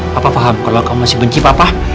bapak paham kalau kamu masih benci papa